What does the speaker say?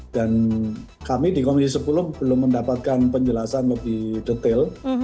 dan kami di komisi sepuluh belum mendapatkan penjelasan lebih detail